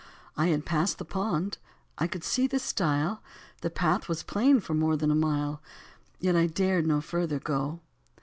I had passed the pond, I could see the stile. The path was plain for more than a mile. Yet I dared no further go.